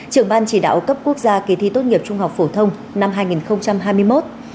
trưởng ban chỉ đạo cấp quốc gia kỳ thi tốt nghiệp trung học phổ thông năm hai nghìn hai mươi một